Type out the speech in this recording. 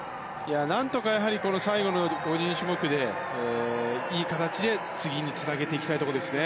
何とか、最後の個人種目でいい形で次につなげていきたいところですね。